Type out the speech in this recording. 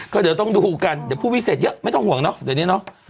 ก็เดี๋ยวต้องดูกันเดี๋ยวผู้วิเศษเยอะไม่ต้องห่วงเนาะเดี๋ยวนี้เนาะ